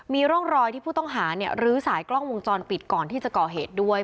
มีร่องรอยที่ผู้ต้องหาเนี่ยรื้อสายกล้องวงจรปิดก่อนที่จะก่อเหตุด้วย